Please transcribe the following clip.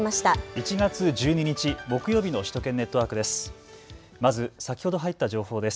１月１２日木曜日の首都圏ネットワークです。